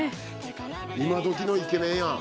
今どきのイケメンやん。